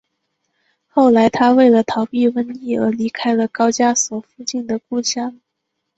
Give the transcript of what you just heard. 后来他为了逃避瘟疫而离开了高加索附近的故乡。